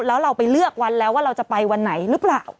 แล้วเราไปเลือกวันแล้วว่าเราจะไปวันไหนหรือเปล่า